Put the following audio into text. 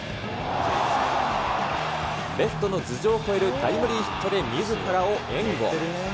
レフトの頭上を越えるタイムリーヒットでみずからを援護。